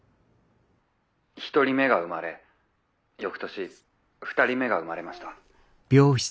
１人目が生まれ翌年２人目が生まれました」。